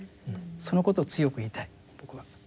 そのことを強く言いたい僕は。